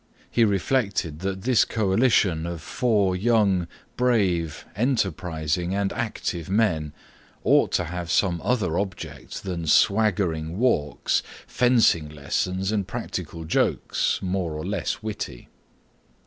He reflected that this coalition of four young, brave, enterprising, and active men ought to have some other object than swaggering walks, fencing lessons, and practical jokes, more or less witty.